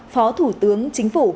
phó thủ tướng chính phủ